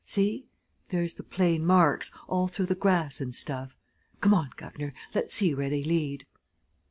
See there's the plain marks, all through the grass and stuff. Come on, guv'nor let's see where they lead."